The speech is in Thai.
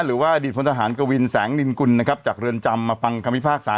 หรือว่าอดีตพลทหารกวินแสงนินกุลนะครับจากเรือนจำมาฟังคำพิพากษา